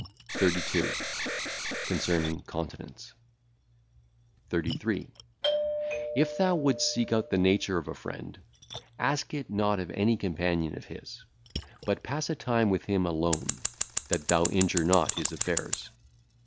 32. [Concerning continence]. 33. If thou wouldest seek out the nature of a friend, ask it not of any companion of his; but pass a time with him alone, that thou injure not his affairs.